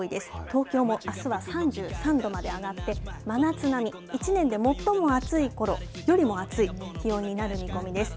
東京もあすは３３度まで上がって、真夏並み、１年で最も暑いころよりも暑い気温になる見込みです。